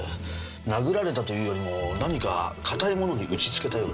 殴られたというよりも何か硬いものに打ちつけたようです。